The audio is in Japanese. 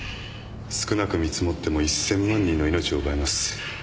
少なく見積もっても１０００万人の命を奪えます。